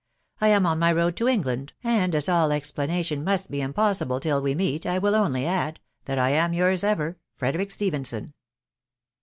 I am on my road to England; and as all explanation must be impossible till we meet, I will only add that I am yours ever, " Fabphbiok Stsfhxnbojk."